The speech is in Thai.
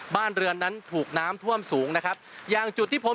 บ้านเรือนนั้นถูกน้ำท่วมสูงนะครับอย่างจุดที่ผม